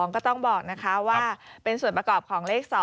ก็ต้องบอกนะคะว่าเป็นส่วนประกอบของเลข๒